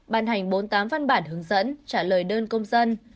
ban hành bốn mươi tám văn bản hướng dẫn trả lời đơn công dân